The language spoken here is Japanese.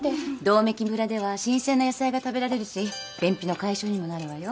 百目鬼村では新鮮な野菜が食べられるし便秘の解消にもなるわよ。